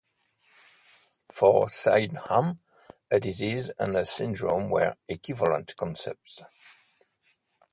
For Sydenham a disease and a syndrome were equivalent concepts.